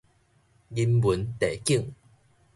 人文地景